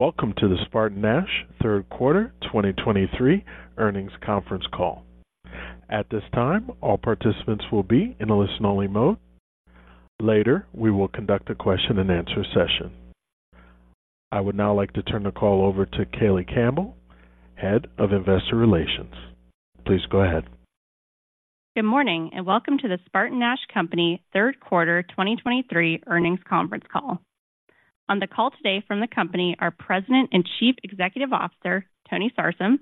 Welcome to the SpartanNash Third Quarter 2023 Earnings Conference Call. At this time, all participants will be in a listen-only mode. Later, we will conduct a question-and-answer session. I would now like to turn the call over to Kayleigh Campbell, Head of Investor Relations. Please go ahead. Good morning, and welcome to the SpartanNash Company Third Quarter 2023 Earnings Conference Call. On the call today from the company are President and Chief Executive Officer, Tony Sarsam,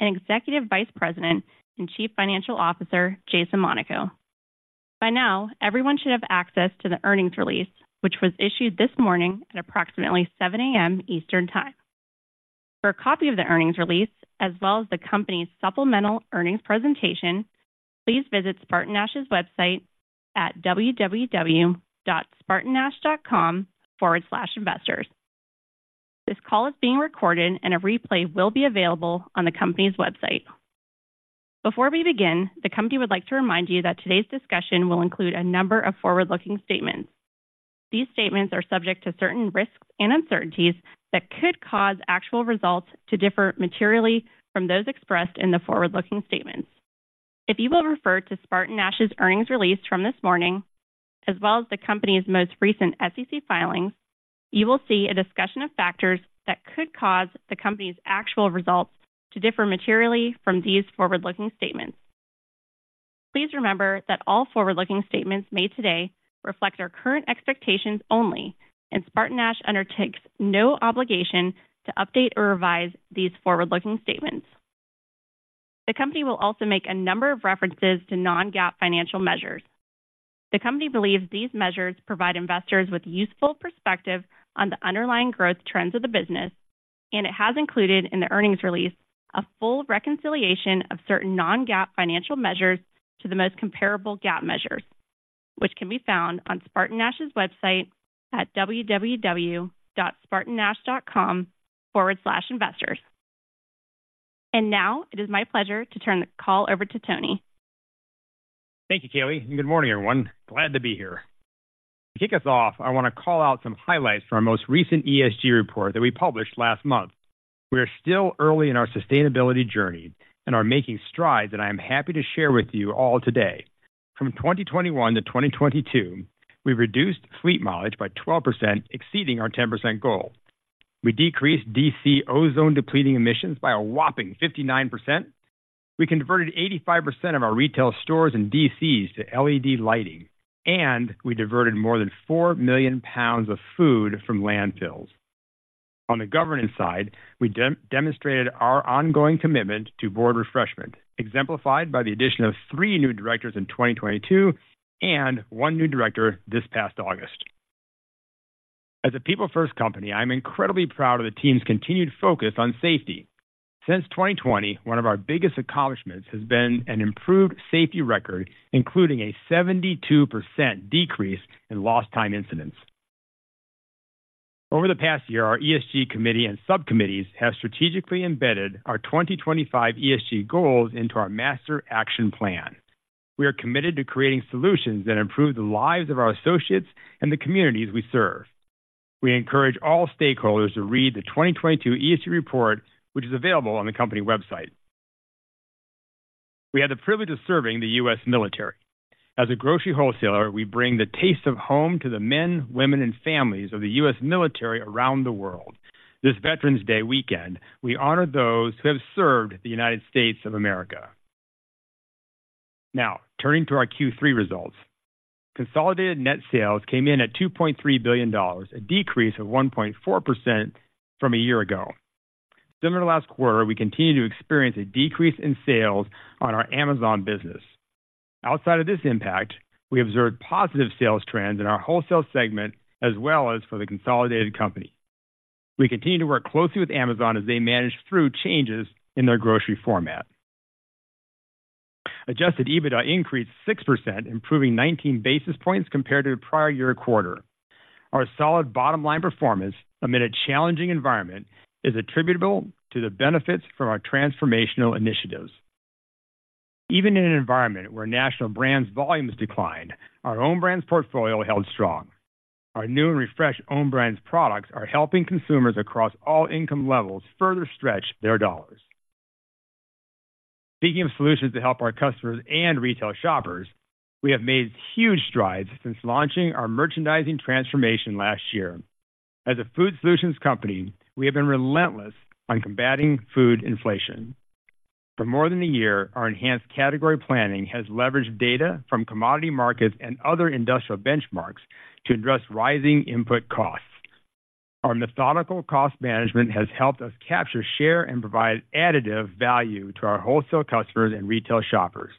and Executive Vice President and Chief Financial Officer, Jason Monaco. By now, everyone should have access to the earnings release, which was issued this morning at approximately 7 A.M. Eastern Time. For a copy of the earnings release, as well as the company's supplemental earnings presentation, please visit SpartanNash's website at www.spartannash.com/investors. This call is being recorded, and a replay will be available on the company's website. Before we begin, the company would like to remind you that today's discussion will include a number of forward-looking statements. These statements are subject to certain risks and uncertainties that could cause actual results to differ materially from those expressed in the forward-looking statements. If you will refer to SpartanNash's earnings release from this morning, as well as the company's most recent SEC filings, you will see a discussion of factors that could cause the company's actual results to differ materially from these forward-looking statements. Please remember that all forward-looking statements made today reflect our current expectations only, and SpartanNash undertakes no obligation to update or revise these forward-looking statements. The company will also make a number of references to non-GAAP financial measures. The company believes these measures provide investors with useful perspective on the underlying growth trends of the business, and it has included in the earnings release a full reconciliation of certain non-GAAP financial measures to the most comparable GAAP measures, which can be found on SpartanNash's website at www.spartannash.com/investors. Now it is my pleasure to turn the call over to Tony. Thank you, Kayleigh, and good morning, everyone. Glad to be here. To kick us off, I want to call out some highlights from our most recent ESG report that we published last month. We are still early in our sustainability journey and are making strides that I am happy to share with you all today. From 2021-2022, we reduced fleet mileage by 12%, exceeding our 10% goal. We decreased DC ozone-depleting emissions by a whopping 59%. We converted 85% of our retail stores and DCs to LED lighting, and we diverted more than 4 million pounds of food from landfills. On the governance side, we demonstrated our ongoing commitment to board refreshment, exemplified by the addition of three new directors in 2022 and one new director this past August. As a people-first company, I'm incredibly proud of the team's continued focus on safety. Since 2020, one of our biggest accomplishments has been an improved safety record, including a 72% decrease in lost time incidents. Over the past year, our ESG committee and subcommittees have strategically embedded our 2025 ESG goals into our Master Action Plan. We are committed to creating solutions that improve the lives of our associates and the communities we serve. We encourage all stakeholders to read the 2022 ESG report, which is available on the company website. We have the privilege of serving the U.S. military. As a grocery wholesaler, we bring the taste of home to the men, women, and families of the U.S. military around the world. This Veterans Day weekend, we honor those who have served the United States of America. Now, turning to our Q3 results. Consolidated net sales came in at $2.3 billion, a decrease of 1.4% from a year ago. Similar to last quarter, we continued to experience a decrease in sales on our Amazon business. Outside of this impact, we observed positive sales trends in our wholesale segment as well as for the consolidated company. We continue to work closely with Amazon as they manage through changes in their grocery format. Adjusted EBITDA increased 6%, improving 19 basis points compared to the prior year quarter. Our solid bottom line performance, amid a challenging environment, is attributable to the benefits from our transformational initiatives. Even in an environment where national brands volumes declined, our Own Brands portfolio held strong. Our new and refreshed Own Brands products are helping consumers across all income levels further stretch their dollars. Speaking of solutions to help our customers and retail shoppers, we have made huge strides since launching our Merchandising Transformation last year. As a food solutions company, we have been relentless on combating food inflation. For more than a year, our enhanced category planning has leveraged data from commodity markets and other industrial benchmarks to address rising input costs. Our methodical cost management has helped us capture, share, and provide additive value to our wholesale customers and retail shoppers.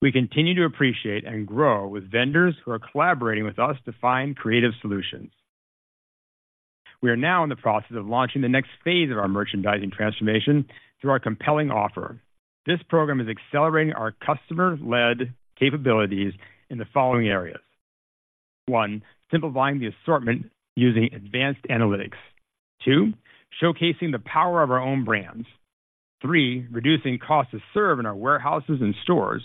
We continue to appreciate and grow with vendors who are collaborating with us to find creative solutions. We are now in the process of launching the next phase of our Merchandising Transformation through our compelling offer. This program is accelerating our customer-led capabilities in the following areas: One; simplifying the assortment using advanced analytics. Two; showcasing the power of our Own Brands.... Three; reducing cost to serve in our warehouses and stores.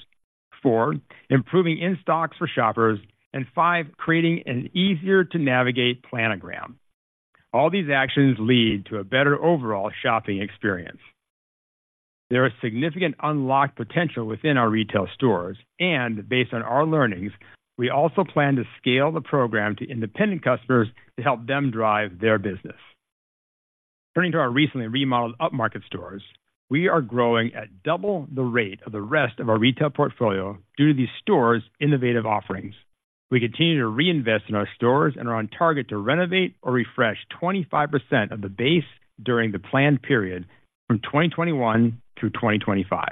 Four: improving in-stocks for shoppers. And five; creating an easier to navigate planogram. All these actions lead to a better overall shopping experience. There is significant unlocked potential within our retail stores, and based on our learnings, we also plan to scale the program to independent customers to help them drive their business. Turning to our recently remodeled Up Market stores, we are growing at double the rate of the rest of our retail portfolio due to these stores' innovative offerings. We continue to reinvest in our stores and are on target to renovate or refresh 25% of the base during the planned period from 2021 through 2025.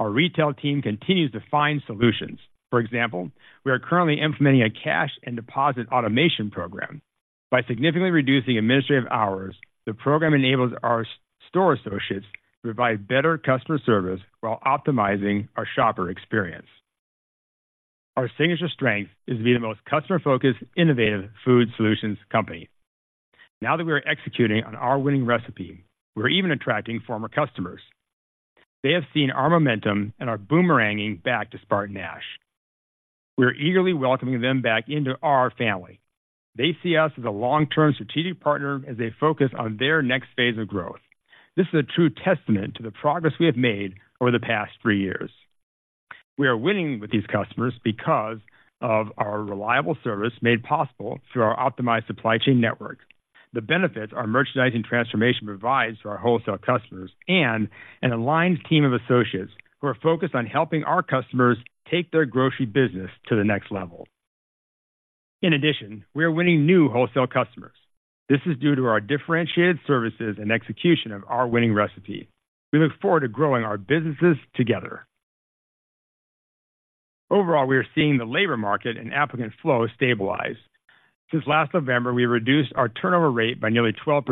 Our retail team continues to find solutions. For example, we are currently implementing a cash and deposit automation program. By significantly reducing administrative hours, the program enables our store associates to provide better customer service while optimizing our shopper experience. Our signature strength is to be the most customer-focused, innovative food solutions company. Now that we are executing on our Winning Recipe, we're even attracting former customers. They have seen our momentum and are boomeranging back to SpartanNash. We are eagerly welcoming them back into our family. They see us as a long-term strategic partner as they focus on their next phase of growth. This is a true testament to the progress we have made over the past three years. We are winning with these customers because of our reliable service, made possible through our optimized supply chain network. The benefits our Merchandising Transformation provides to our wholesale customers and an aligned team of associates who are focused on helping our customers take their grocery business to the next level. In addition, we are winning new wholesale customers. This is due to our differentiated services and execution of our Winning Recipe. We look forward to growing our businesses together. Overall, we are seeing the labor market and applicant flow stabilize. Since last November, we reduced our turnover rate by nearly 12%.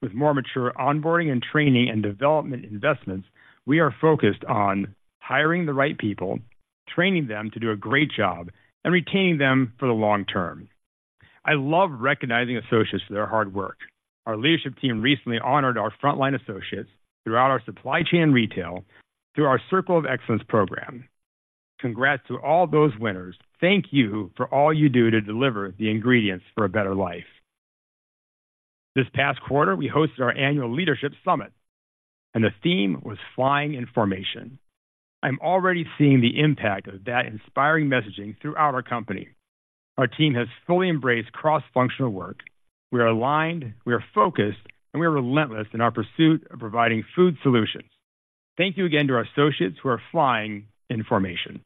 With more mature onboarding and training and development investments, we are focused on hiring the right people, training them to do a great job, and retaining them for the long term. I love recognizing associates for their hard work. Our leadership team recently honored our frontline associates throughout our supply chain retail through our Circle of Excellence program. Congrats to all those winners. Thank you for all you do to deliver the ingredients for a better life. This past quarter, we hosted our annual leadership summit, and the theme was Flying in Formation. I'm already seeing the impact of that inspiring messaging throughout our company. Our team has fully embraced cross-functional work. We are aligned, we are focused, and we are relentless in our pursuit of providing food solutions. Thank you again to our associates who are Flying in Formation.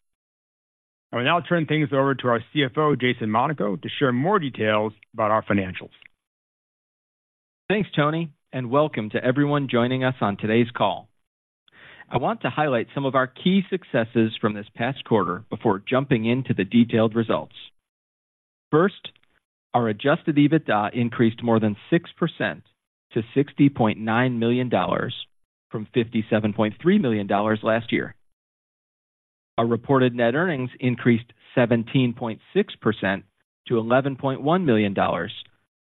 I will now turn things over to our CFO, Jason Monaco, to share more details about our financials. Thanks, Tony, and welcome to everyone joining us on today's call. I want to highlight some of our key successes from this past quarter before jumping into the detailed results. First, our Adjusted EBITDA increased more than 6% to $60.9 million, from $57.3 million last year. Our reported net earnings increased 17.6% to $11.1 million,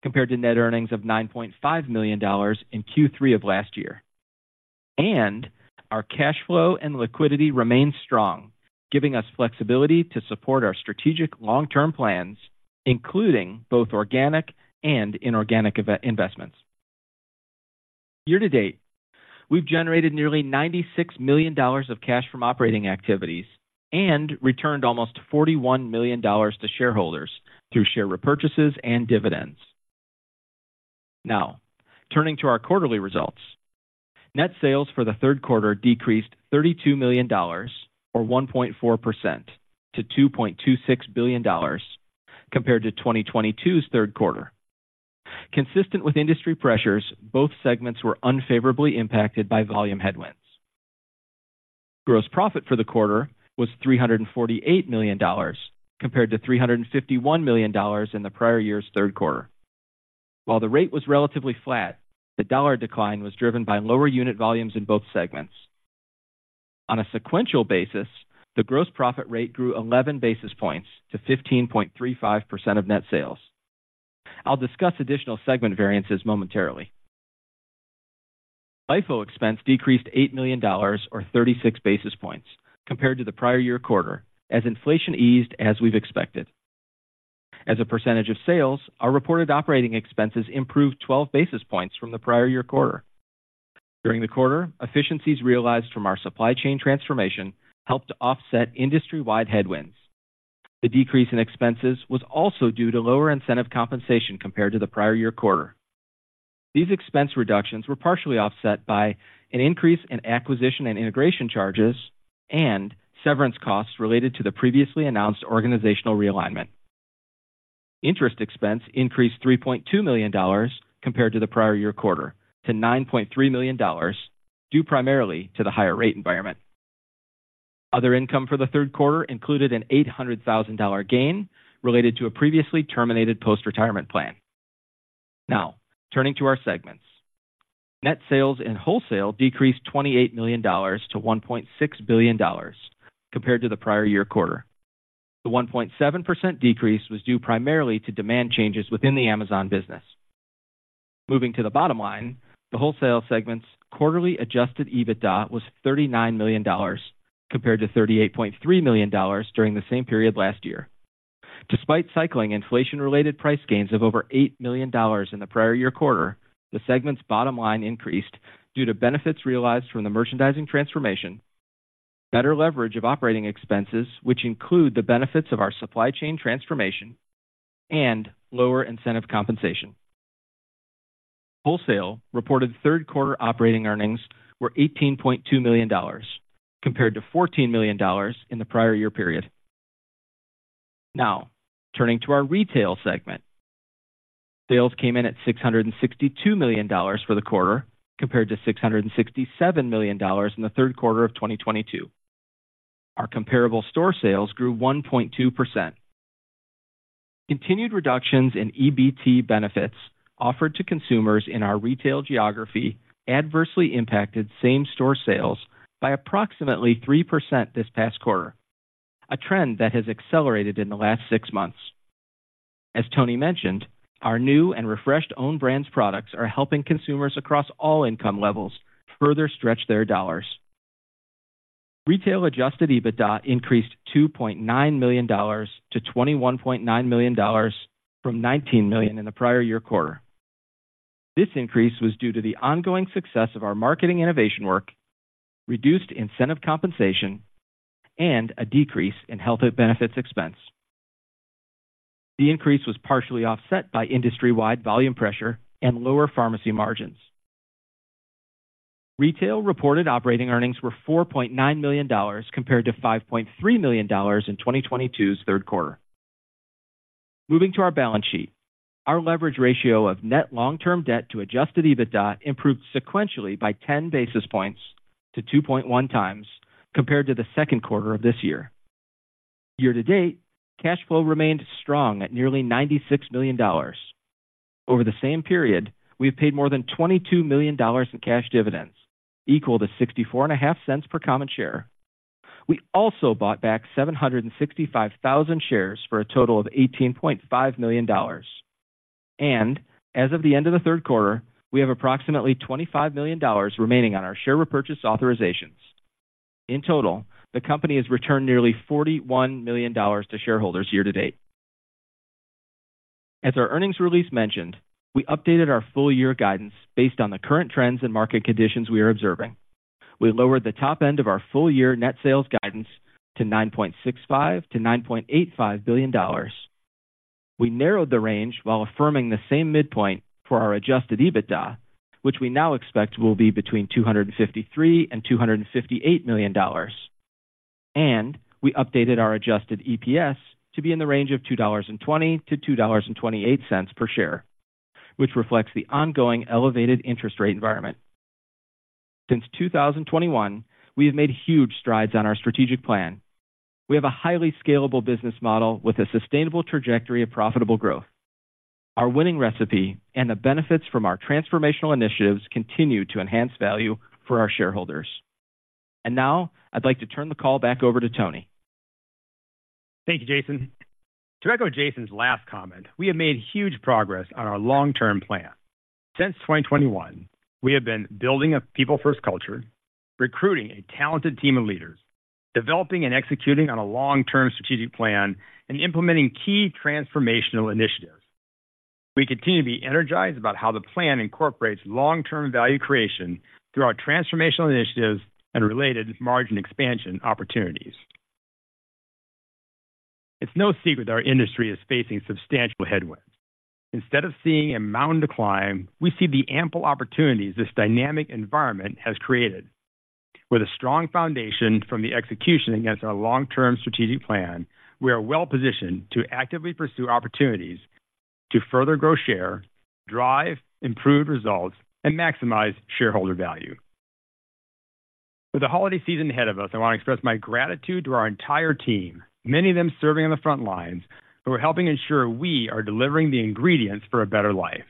compared to net earnings of $9.5 million in Q3 of last year. And our cash flow and liquidity remain strong, giving us flexibility to support our strategic long-term plans, including both organic and inorganic investments. Year to date, we've generated nearly $96 million of cash from operating activities and returned almost $41 million to shareholders through share repurchases and dividends. Now, turning to our quarterly results. Net sales for the third quarter decreased $32 million, or 1.4%, to $2.26 billion, compared to 2022's third quarter. Consistent with industry pressures, both segments were unfavorably impacted by volume headwinds. Gross profit for the quarter was $348 million, compared to $351 million in the prior year's third quarter. While the rate was relatively flat, the dollar decline was driven by lower unit volumes in both segments. On a sequential basis, the gross profit rate grew 11 basis points to 15.35% of net sales. I'll discuss additional segment variances momentarily. LIFO expense decreased $8 million, or 36 basis points, compared to the prior year quarter as inflation eased, as we've expected. As a percentage of sales, our reported operating expenses improved 12 basis points from the prior year quarter. During the quarter, efficiencies realized from our supply chain transformation helped to offset industry-wide headwinds. The decrease in expenses was also due to lower incentive compensation compared to the prior year quarter. These expense reductions were partially offset by an increase in acquisition and integration charges and severance costs related to the previously announced organizational realignment. Interest expense increased $3.2 million compared to the prior year quarter, to $9.3 million, due primarily to the higher rate environment. Other income for the third quarter included an $800,000 dollar gain related to a previously terminated post-retirement plan. Now, turning to our segments. Net sales in wholesale decreased $28 million to $1.6 billion compared to the prior year quarter. The 1.7% decrease was due primarily to demand changes within the Amazon business. Moving to the bottom line, the wholesale segment's quarterly Adjusted EBITDA was $39 million, compared to $38.3 million during the same period last year. Despite cycling inflation-related price gains of over $8 million in the prior year quarter, the segment's bottom line increased due to benefits realized from the Merchandising Transformation, better leverage of operating expenses, which include the benefits of our Supply Chain Transformation and lower incentive compensation. Wholesale reported third quarter operating earnings were $18.2 million, compared to $14 million in the prior year period. Now, turning to our retail segment. Sales came in at $662 million for the quarter, compared to $667 million in the third quarter of 2022. Our comparable store sales grew 1.2%. Continued reductions in EBT benefits offered to consumers in our retail geography adversely impacted same-store sales by approximately 3% this past quarter, a trend that has accelerated in the last six months. As Tony mentioned, our new and refreshed Own Brands products are helping consumers across all income levels further stretch their dollars. Retail Adjusted EBITDA increased $2.9 million-$21.9 million, from $19 million in the prior year quarter. This increase was due to the ongoing success of our marketing innovation work, reduced incentive compensation, and a decrease in health benefits expense. The increase was partially offset by industry-wide volume pressure and lower pharmacy margins. Retail reported operating earnings were $4.9 million, compared to $5.3 million in 2022's third quarter. Moving to our balance sheet. Our leverage ratio of net long-term debt to Adjusted EBITDA improved sequentially by 10 basis points to 2.1 times, compared to the second quarter of this year. Year-to-date, cash flow remained strong at nearly $96 million. Over the same period, we've paid more than $22 million in cash dividends, equal to $0.645 per common share. We also bought back 765,000 shares for a total of $18.5 million. And as of the end of the third quarter, we have approximately $25 million remaining on our share repurchase authorizations. In total, the company has returned nearly $41 million to shareholders year-to-date. As our earnings release mentioned, we updated our full year guidance based on the current trends and market conditions we are observing. We lowered the top end of our full year net sales guidance to $9.65-$9.85 billion. We narrowed the range while affirming the same midpoint for our Adjusted EBITDA, which we now expect will be between $253 million and $258 million. We updated our Adjusted EPS to be in the range of $2.20-$2.28 per share, which reflects the ongoing elevated interest rate environment. Since 2021, we have made huge strides on our strategic plan. We have a highly scalable business model with a sustainable trajectory of profitable growth. Our Winning Recipe and the benefits from our transformational initiatives continue to enhance value for our shareholders. And now I'd like to turn the call back over to Tony. Thank you, Jason. To echo Jason's last comment, we have made huge progress on our long-term plan. Since 2021, we have been building a people-first culture, recruiting a talented team of leaders, developing and executing on a long-term strategic plan, and implementing key transformational initiatives. We continue to be energized about how the plan incorporates long-term value creation through our transformational initiatives and related margin expansion opportunities. It's no secret that our industry is facing substantial headwinds. Instead of seeing a mountain to climb, we see the ample opportunities this dynamic environment has created. With a strong foundation from the execution against our long-term strategic plan, we are well positioned to actively pursue opportunities to further grow share, drive improved results, and maximize shareholder value. With the holiday season ahead of us, I want to express my gratitude to our entire team, many of them serving on the front lines, who are helping ensure we are delivering the ingredients for a better life.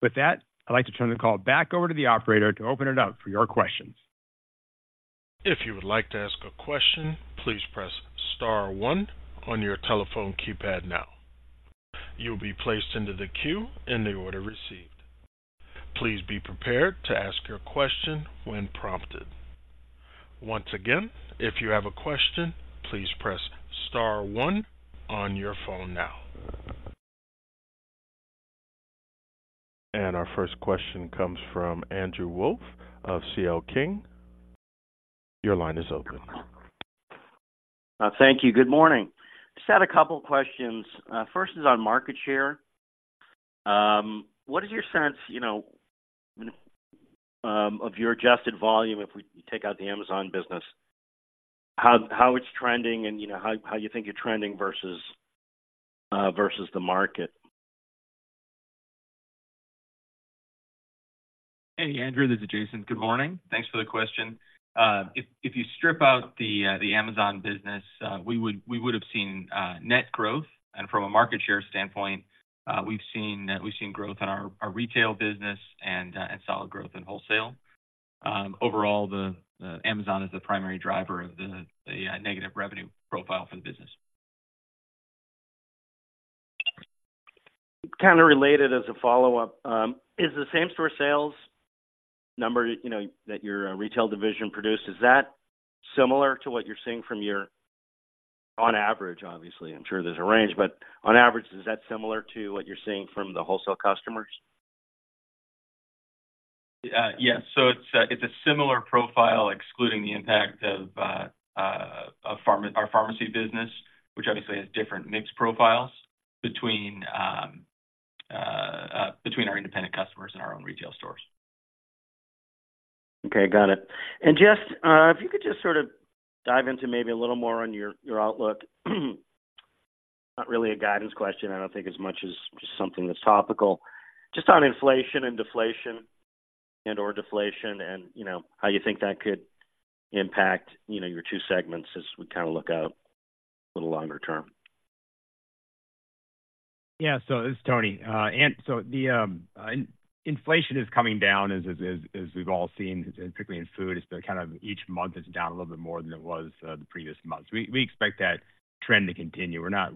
With that, I'd like to turn the call back over to the operator to open it up for your questions. If you would like to ask a question, please press star one on your telephone keypad now. You will be placed into the queue in the order received. Please be prepared to ask your question when prompted. Once again, if you have a question, please press star one on your phone now. Our first question comes from Andrew Wolf of CL King. Your line is open. Thank you. Good morning. Just had a couple questions. First is on market share. What is your sense, you know, of your adjusted volume if we take out the Amazon business, how it's trending and, you know, how you think you're trending versus versus the market? Hey, Andrew, this is Jason. Good morning. Thanks for the question. If you strip out the Amazon business, we would have seen net growth. And from a market share standpoint, we've seen growth in our retail business and solid growth in wholesale. Overall, the Amazon is the primary driver of the negative revenue profile for the business. Kind of related, as a follow-up, is the same-store sales number, you know, that your retail division produced, is that similar to what you're seeing from your on average, obviously, I'm sure there's a range, but on average, is that similar to what you're seeing from the wholesale customers? Yes. So it's a similar profile, excluding the impact of our pharmacy business, which obviously has different mix profiles between our independent customers and our own retail stores. Okay, got it. And just, if you could just sort of dive into maybe a little more on your outlook. Not really a guidance question, I don't think as much as just something that's topical. Just on inflation and deflation, and/or deflation and, you know, how you think that could impact, you know, your two segments as we kind of look out a little longer term. Yeah. So this is Tony. The inflation is coming down as we've all seen, particularly in food. It's been kind of each month is down a little bit more than it was the previous month. We expect that trend to continue. We're not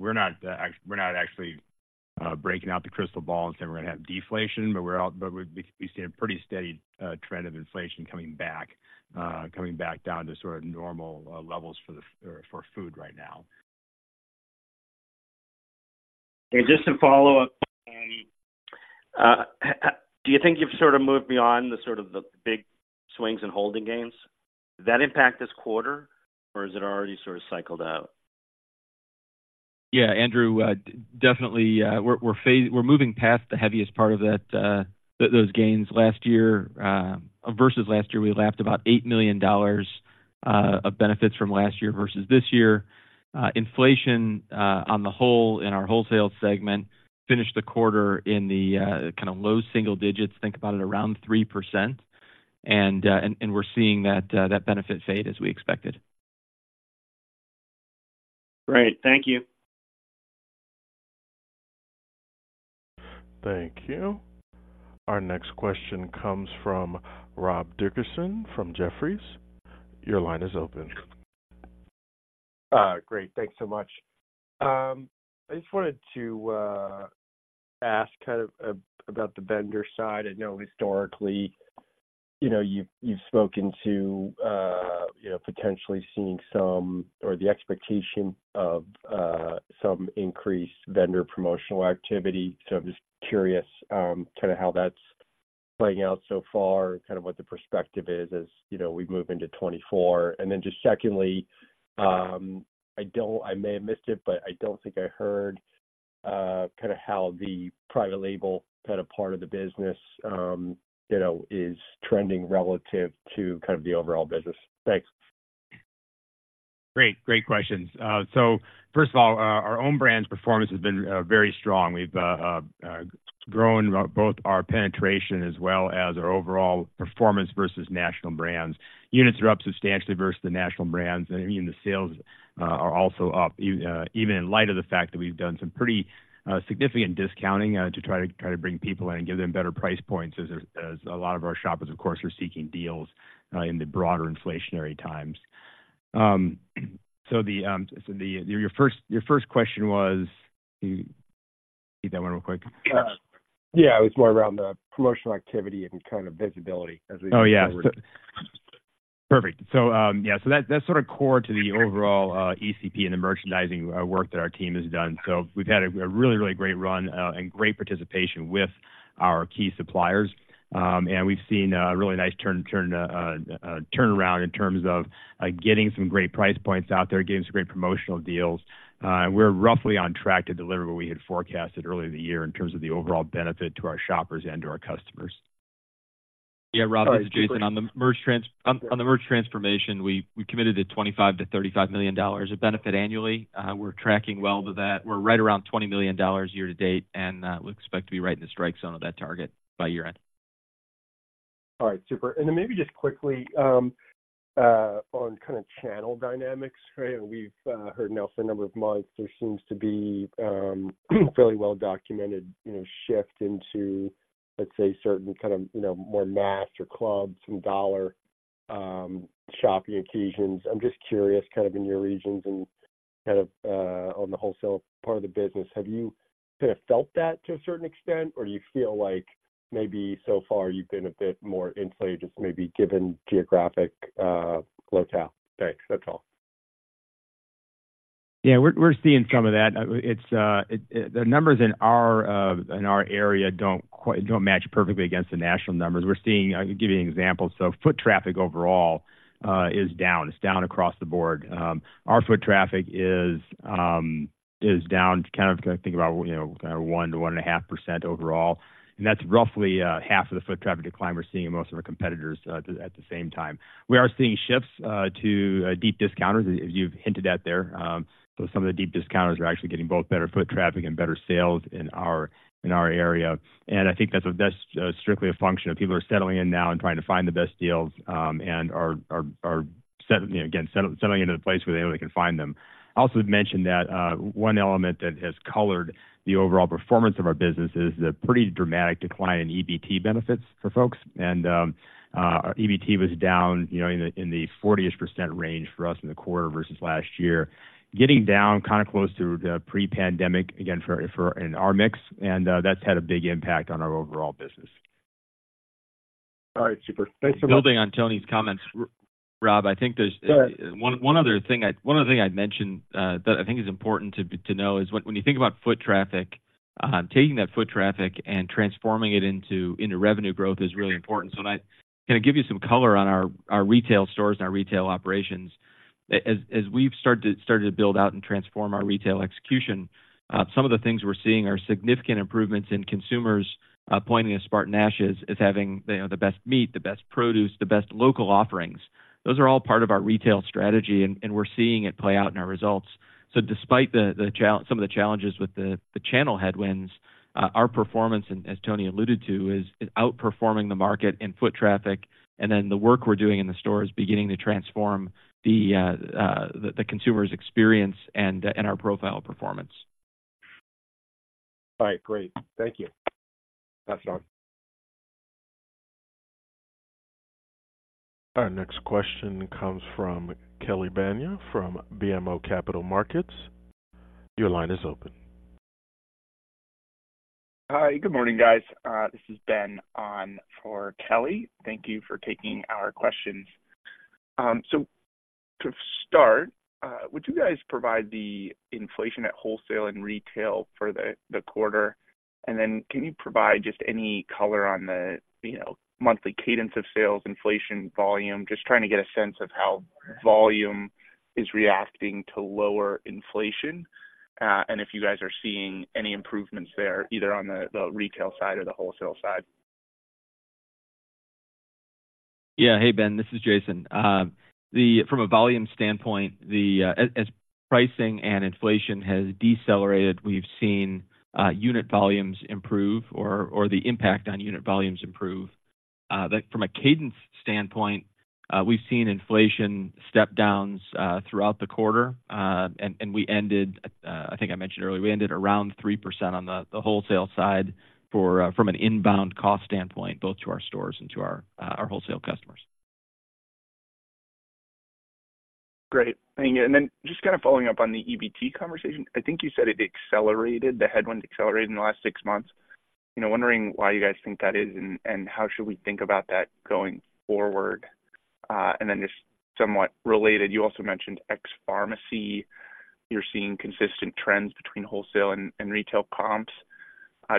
actually breaking out the crystal ball and saying we're gonna have deflation, but we see a pretty steady trend of inflation coming back down to sort of normal levels for food right now. Just to follow up, do you think you've sort of moved beyond the sort of big swings and holding games? Did that impact this quarter, or is it already sort of cycled out? Yeah, Andrew, definitely, we're moving past the heaviest part of that, those gains. Last year versus last year, we lapped about $8 million of benefits from last year versus this year. Inflation on the whole, in our wholesale segment, finished the quarter in the kind of low single digits, think about it, around 3%. And we're seeing that benefit fade as we expected. Great. Thank you. Thank you. Our next question comes from Rob Dickerson from Jefferies. Your line is open. Great. Thanks so much. I just wanted to ask kind of about the vendor side. I know historically, you know, you've spoken to, you know, potentially seeing some or the expectation of, some increased vendor promotional activity. So I'm just curious, kind of how that's playing out so far, kind of what the perspective is as, you know, we move into 2024. And then just secondly, I don't—I may have missed it, but I don't think I heard, kind of how the private label kind of part of the business, you know, is trending relative to kind of the overall business. Thanks. Great. Great questions. So first of all, our own brand's performance has been very strong. We've grown both our penetration as well as our overall performance versus national brands. Units are up substantially versus the national brands, and even the sales are also up even in light of the fact that we've done some pretty significant discounting to try to bring people in and give them better price points, as a lot of our shoppers, of course, are seeking deals in the broader inflationary times. So your first question was... Can you repeat that one real quick? Yeah, it was more around the promotional activity and kind of visibility as we- Oh, yeah. Perfect. So, yeah, so that's, that's sort of core to the overall ECP and the merchandising work that our team has done. So we've had a really, really great run and great participation with our key suppliers. And we've seen a really nice turnaround in terms of getting some great price points out there, getting some great promotional deals. And we're roughly on track to deliver what we had forecasted earlier in the year in terms of the overall benefit to our shoppers and to our customers. Yeah, Rob, it's Jason. On the merch trans-- On the Merchandising Transformation, we committed to $25 million-$35 million of benefit annually. We're tracking well to that. We're right around $20 million year to date, and we expect to be right in the strike zone of that target by year-end. All right, super. And then maybe just quickly, on kind of channel dynamics, right? We've heard now for a number of months, there seems to be, fairly well documented, you know, shift into, let's say, certain kind of, you know, more mass or clubs and dollar, shopping occasions. I'm just curious, kind of in your regions and kind of, on the wholesale part of the business, have you kind of felt that to a certain extent, or do you feel like maybe so far you've been a bit more insulated, just maybe given geographic, locale? Thanks. That's all. Yeah, we're seeing some of that. It's the numbers in our area don't quite match perfectly against the national numbers. We're seeing. I can give you an example. So foot traffic overall is down. It's down across the board. Our foot traffic is down, you know, kind of 1-1.5% overall, and that's roughly half of the foot traffic decline we're seeing in most of our competitors at the same time. We are seeing shifts to deep discounters, as you've hinted at there. So some of the deep discounters are actually getting both better foot traffic and better sales in our area. I think that's strictly a function of people are settling in now and trying to find the best deals, and are set, again, settling into the place where they know they can find them. I also would mention that one element that has colored the overall performance of our business is the pretty dramatic decline in EBT benefits for folks. EBT was down, you know, in the 40% range for us in the quarter versus last year. Getting down kind of close to the pre-pandemic, again, for in our mix, and that's had a big impact on our overall business.... All right, super. Thanks so much. Building on Tony's comments, Rob, I think there's- Go ahead. One other thing I'd mention that I think is important to know is when you think about foot traffic, taking that foot traffic and transforming it into revenue growth is really important. So can I give you some color on our retail stores and our retail operations? As we've started to build out and transform our retail execution, some of the things we're seeing are significant improvements in consumers pointing as SpartanNash's as having, you know, the best meat, the best produce, the best local offerings. Those are all part of our retail strategy, and we're seeing it play out in our results. So despite the challenges with the channel headwinds, our performance, and as Tony alluded to, is outperforming the market in foot traffic, and then the work we're doing in the store is beginning to transform the consumer's experience and our profile performance. All right, great. Thank you. That's all. Our next question comes from Kelly Bania, from BMO Capital Markets. Your line is open. Hi, good morning, guys. This is Ben on for Kelly. Thank you for taking our questions. So to start, would you guys provide the inflation at wholesale and retail for the, the quarter? And then can you provide just any color on the, you know, monthly cadence of sales, inflation, volume? Just trying to get a sense of how volume is reacting to lower inflation, and if you guys are seeing any improvements there, either on the, the retail side or the wholesale side. Yeah. Hey, Ben, this is Jason. From a volume standpoint, as pricing and inflation has decelerated, we've seen unit volumes improve or the impact on unit volumes improve. That from a cadence standpoint, we've seen inflation step downs throughout the quarter. And we ended, I think I mentioned earlier, we ended around 3% on the wholesale side for from an inbound cost standpoint, both to our stores and to our wholesale customers. Great. Thank you. And then just kind of following up on the EBT conversation. I think you said it accelerated, the headwinds accelerated in the last six months. You know, wondering why you guys think that is, and how should we think about that going forward? And then just somewhat related, you also mentioned ex pharmacy. You're seeing consistent trends between wholesale and retail comps.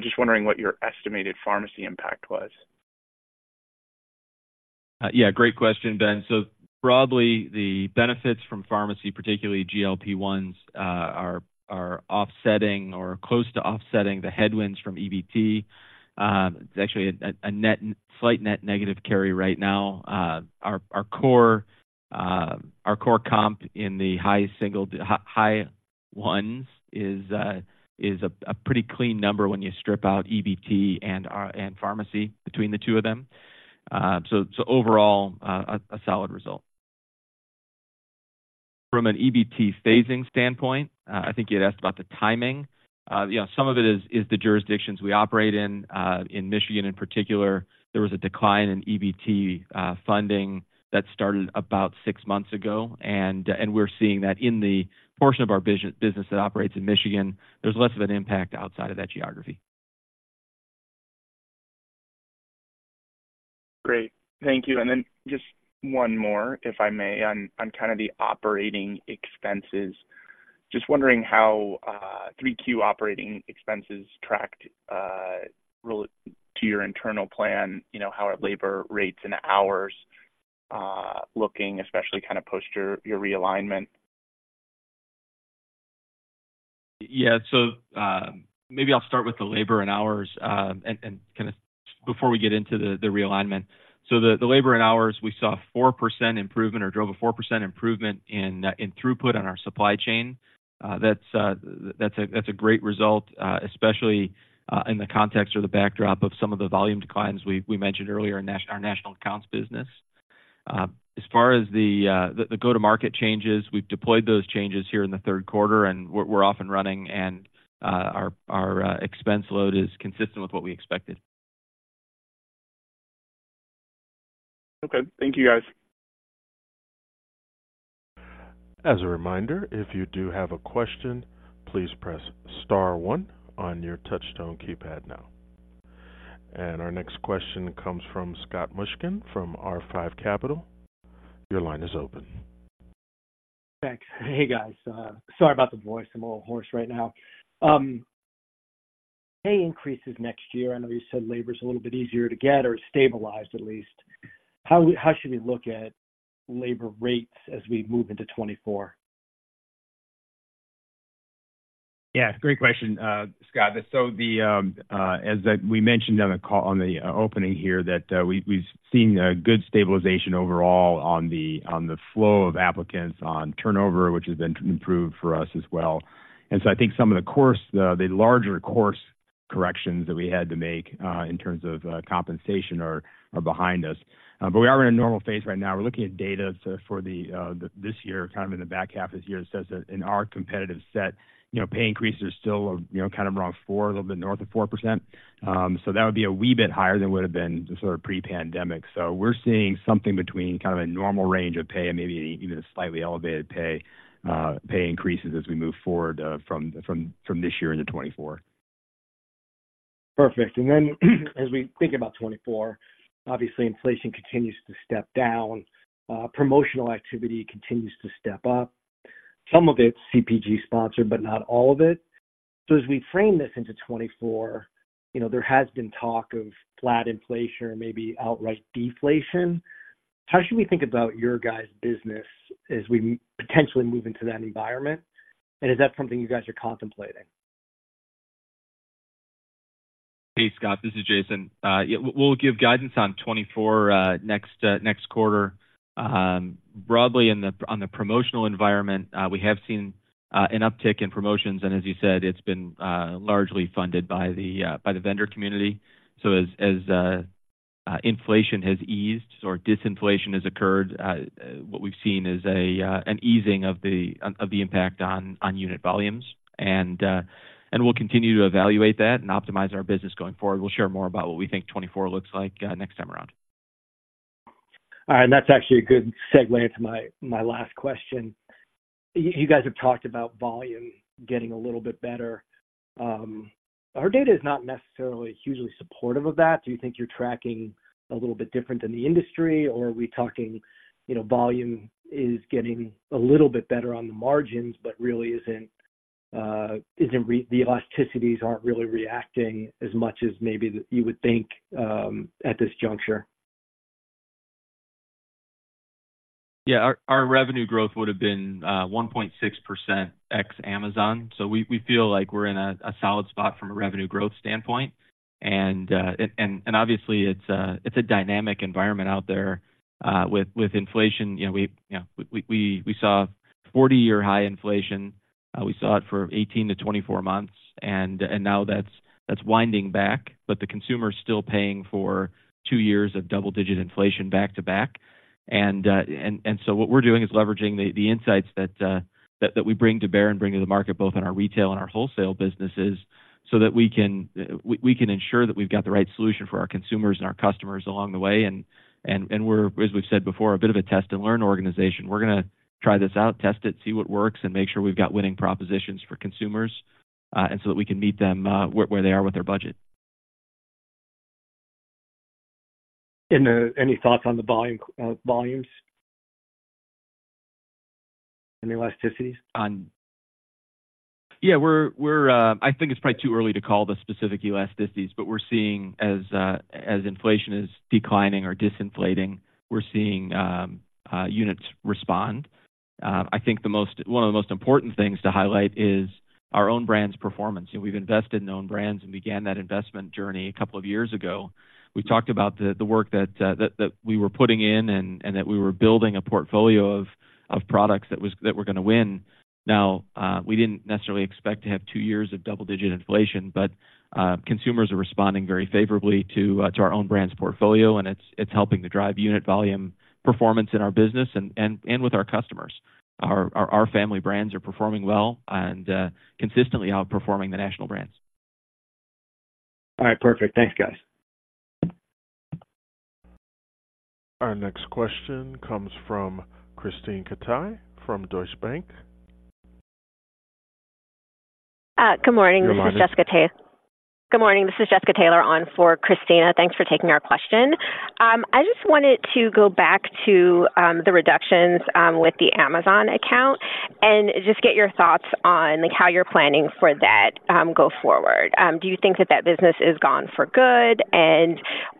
Just wondering what your estimated pharmacy impact was. Yeah, great question, Ben. So broadly, the benefits from pharmacy, particularly GLP-1s, are offsetting or close to offsetting the headwinds from EBT. It's actually a net, slight net negative carry right now. Our core comp in the high single, high ones is a pretty clean number when you strip out EBT and pharmacy between the two of them. So overall, a solid result. From an EBT phasing standpoint, I think you'd asked about the timing. You know, some of it is the jurisdictions we operate in. In Michigan, in particular, there was a decline in EBT funding that started about six months ago, and we're seeing that in the portion of our business that operates in Michigan. There's less of an impact outside of that geography. Great. Thank you. And then just one more, if I may, on kind of the operating expenses. Just wondering how 3Q operating expenses tracked relative to your internal plan, you know, how are labor rates and hours looking, especially kind of post your realignment? Yeah. So, maybe I'll start with the labor and hours, and kind of before we get into the realignment. So the labor and hours, we saw a 4% improvement or drove a 4% improvement in throughput on our supply chain. That's a great result, especially in the context or the backdrop of some of the volume declines we mentioned earlier in our national accounts business. As far as the go-to-market changes, we've deployed those changes here in the third quarter, and we're off and running and our expense load is consistent with what we expected. Okay. Thank you, guys. As a reminder, if you do have a question, please press star one on your touch tone keypad now. Our next question comes from Scott Mushkin, from R5 Capital. Your line is open. Thanks. Hey, guys, sorry about the voice. I'm a little hoarse right now. Pay increases next year, I know you said labor is a little bit easier to get or stabilized, at least. How should we look at labor rates as we move into 2024? Yeah, great question, Scott. So, as we mentioned on the call, on the opening here that we've seen a good stabilization overall on the flow of applicants and turnover, which has been improved for us as well. And so I think some of the larger course corrections that we had to make in terms of compensation are behind us. But we are in a normal phase right now. We're looking at data for this year, kind of in the back half of this year, that says that in our competitive set, you know, pay increases are still, you know, kind of around 4, a little bit north of 4%. So that would be a wee bit higher than would have been the sort of pre-pandemic. So we're seeing something between kind of a normal range of pay and maybe even a slightly elevated pay, pay increases as we move forward, from this year into 2024.... Perfect. Then as we think about 2024, obviously inflation continues to step down, promotional activity continues to step up. Some of it's CPG sponsored, but not all of it. So as we frame this into 2024, you know, there has been talk of flat inflation or maybe outright deflation. How should we think about your guys' business as we potentially move into that environment? And is that something you guys are contemplating? Hey, Scott, this is Jason. Yeah, we'll give guidance on 2024 next quarter. Broadly, on the promotional environment, we have seen an uptick in promotions, and as you said, it's been largely funded by the vendor community. So as inflation has eased or disinflation has occurred, what we've seen is an easing of the impact on unit volumes. And we'll continue to evaluate that and optimize our business going forward. We'll share more about what we think 2024 looks like next time around. All right. That's actually a good segue into my last question. You guys have talked about volume getting a little bit better. Our data is not necessarily hugely supportive of that. Do you think you're tracking a little bit different than the industry, or are we talking, you know, volume is getting a little bit better on the margins, but really isn't the elasticities aren't really reacting as much as maybe you would think at this juncture? Yeah, our revenue growth would have been 1.6% ex Amazon. So we feel like we're in a solid spot from a revenue growth standpoint. And obviously it's a dynamic environment out there with inflation. You know, we saw 40-year high inflation. We saw it for 18-24 months, and now that's winding back. But the consumer is still paying for two years of double-digit inflation back-to-back. And so what we're doing is leveraging the insights that we bring to bear and bring to the market, both in our retail and our wholesale businesses, so that we can ensure that we've got the right solution for our consumers and our customers along the way. And we're, as we've said before, a bit of a test and learn organization. We're gonna try this out, test it, see what works, and make sure we've got winning propositions for consumers, and so that we can meet them where they are with their budget. Any thoughts on the volume, volumes? Any elasticities on- Yeah, we're. I think it's probably too early to call the specific elasticities, but we're seeing as inflation is declining or disinflating, we're seeing units respond. I think one of the most important things to highlight is our own brand's performance. You know, we've invested in Own Brands and began that investment journey a couple of years ago. We talked about the work that we were putting in, and that we were building a portfolio of products that were gonna win. Now, we didn't necessarily expect to have two years of double-digit inflation, but consumers are responding very favorably to our Own Brands portfolio, and it's helping to drive unit volume performance in our business and with our customers. Our Family brands are performing well and consistently outperforming the national brands. All right, perfect. Thanks, guys. Our next question comes from Krisztina Katai from Deutsche Bank. Good morning. Your line is- This is Jessica Taylor. Good morning, this is Jessica Taylor on for Krisztina. Thanks for taking our question. I just wanted to go back to the reductions with the Amazon account and just get your thoughts on, like, how you're planning for that go forward. Do you think that that business is gone for good,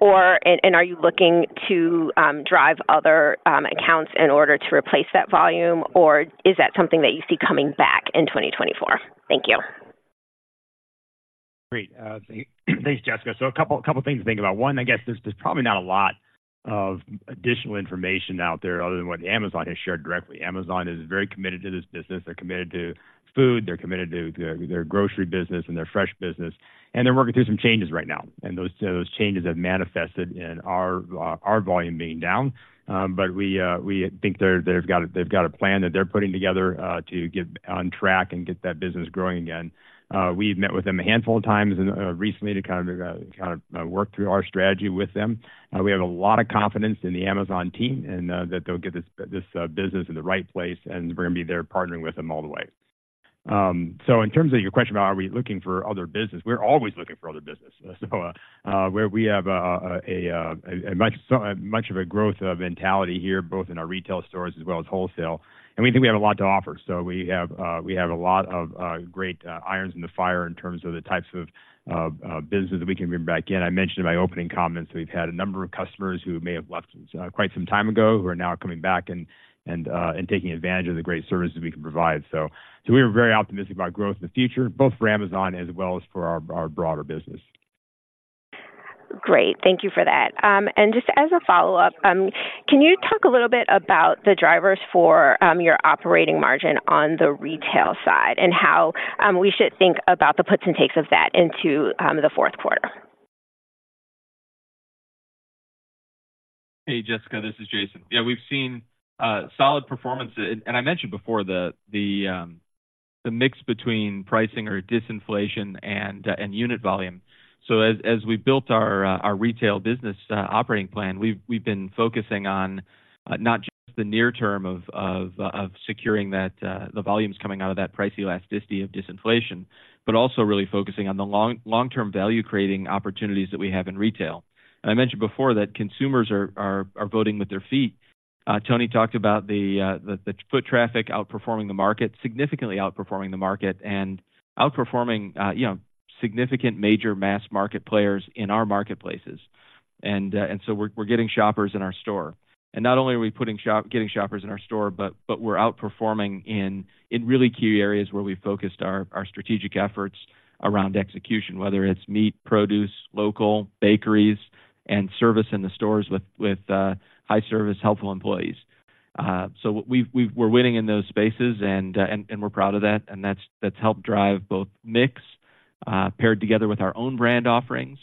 or are you looking to drive other accounts in order to replace that volume? Or is that something that you see coming back in 2024? Thank you. Great. Thanks, Jessica. So a couple things to think about. One, I guess there's probably not a lot of additional information out there other than what Amazon has shared directly. Amazon is very committed to this business. They're committed to food, they're committed to their grocery business and their fresh business, and they're working through some changes right now, and those changes have manifested in our volume being down. But we think they're, they've got a plan that they're putting together to get on track and get that business growing again. We've met with them a handful of times recently to kind of work through our strategy with them. We have a lot of confidence in the Amazon team and that they'll get this business in the right place, and we're gonna be there partnering with them all the way. So in terms of your question about are we looking for other business, we're always looking for other business. So we have such a growth mentality here, both in our retail stores as well as wholesale, and we think we have a lot to offer. So we have a lot of great irons in the fire in terms of the types of business that we can bring back in. I mentioned in my opening comments that we've had a number of customers who may have left quite some time ago, who are now coming back and taking advantage of the great services we can provide. So we're very optimistic about growth in the future, both for Amazon as well as for our broader business. Great. Thank you for that. And just as a follow-up, can you talk a little bit about the drivers for your operating margin on the retail side, and how we should think about the puts and takes of that into the fourth quarter? Hey, Jessica, this is Jason. Yeah, we've seen solid performance. And I mentioned before the mix between pricing or disinflation and unit volume. So as we've built our retail business operating plan, we've been focusing on not just the near term of securing that the volumes coming out of that price elasticity of disinflation, but also really focusing on the long-term value-creating opportunities that we have in retail. And I mentioned before that consumers are voting with their feet. Tony talked about the foot traffic outperforming the market, significantly outperforming the market and outperforming, you know, significant major mass market players in our marketplaces. And so we're getting shoppers in our store. And not only are we putting shoppers in our store, but we're outperforming in really key areas where we focused our strategic efforts around execution, whether it's meat, produce, local bakeries, and service in the stores with high-service, helpful employees. So we're winning in those spaces, and we're proud of that, and that's helped drive both mix, paired together with our own brand offerings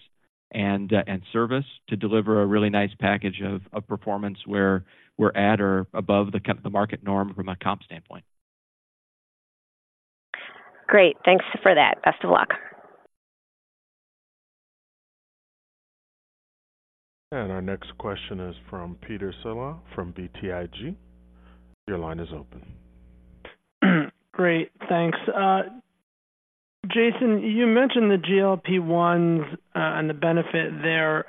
and service to deliver a really nice package of performance where we're at or above the kind of the market norm from a comp standpoint. Great. Thanks for that. Best of luck. Our next question is from Peter Saleh, from BTIG. Your line is open. Great, thanks. Jason, you mentioned the GLP-1s and the benefit there.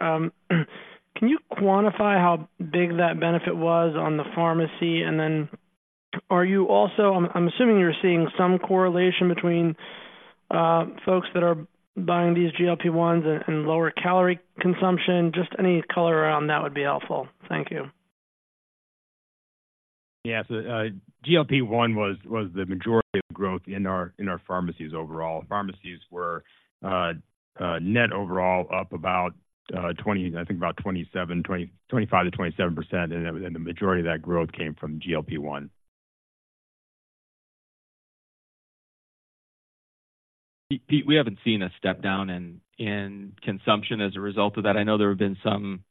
Can you quantify how big that benefit was on the pharmacy? And then are you also, I'm assuming you're seeing some correlation between folks that are buying these GLP-1s and lower calorie consumption. Just any color around that would be helpful. Thank you. Yeah, so, GLP-1 was the majority of growth in our pharmacies overall. Pharmacies were net overall up about 20, I think about 27, 20, 25%-27%, and the majority of that growth came from GLP-1. Pete, we haven't seen a step down in consumption as a result of that. I know there have been some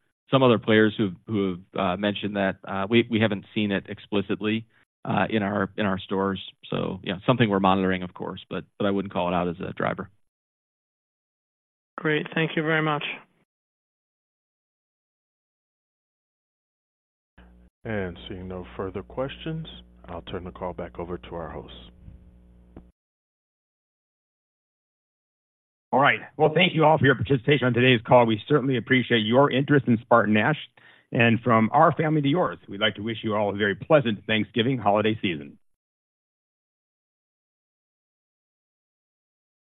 other players who've mentioned that. We haven't seen it explicitly in our stores. So yeah, something we're monitoring, of course, but I wouldn't call it out as a driver. Great. Thank you very much. Seeing no further questions, I'll turn the call back over to our hosts. All right. Well, thank you all for your participation on today's call. We certainly appreciate your interest in SpartanNash. And from our family to yours, we'd like to wish you all a very pleasant Thanksgiving holiday season.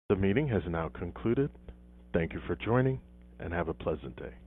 The meeting has now concluded. Thank you for joining, and have a pleasant day.